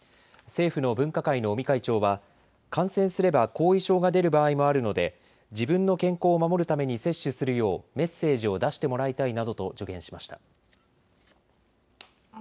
政府の分科会の尾身会長は感染すれば後遺症が出る場合もあるので自分の健康を守るために接種するようメッセージを出してもらいたいなどと助言しました。